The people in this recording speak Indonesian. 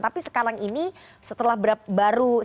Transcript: tapi sekarang ini setelah baru